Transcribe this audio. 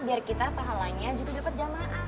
biar kita pahalanya gitu dapat jamaah